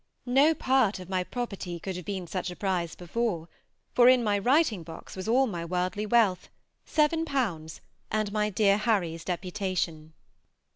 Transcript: No part of my property could have been such a prize before, for in my writing box was all my worldly wealth, 7_l._, and my dear Harry's deputation.